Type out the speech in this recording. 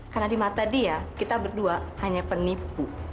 karena di mata dia kita berdua hanya penipu